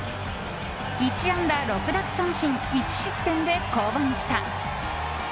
１安打６奪三振１失点で降板した。